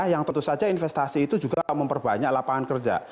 yang tentu saja investasi itu juga memperbanyak lapangan kerja